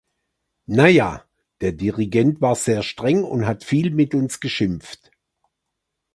Na ja, der Dirigent war sehr streng und hat viel mit uns geschimpft.